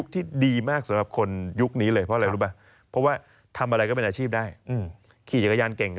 เที่ยวเก่งยังเป็นอาชีพได้เลย